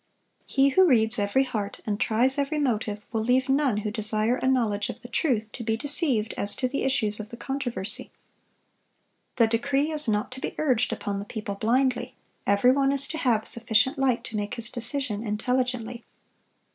He who reads every heart, and tries every motive, will leave none who desire a knowledge of the truth, to be deceived as to the issues of the controversy. The decree is not to be urged upon the people blindly. Every one is to have sufficient light to make his decision intelligently.